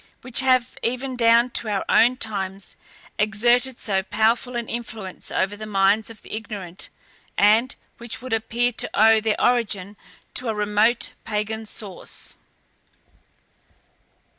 which have, even down to our own times, exerted so powerful an influence over the minds of the ignorant, and which would appear to owe their origin to a remote pagan source.